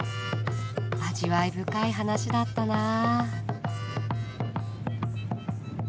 味わい深い話だったなあ。